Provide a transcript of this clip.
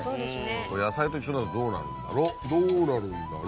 野菜と一緒だとどうなるんだろ！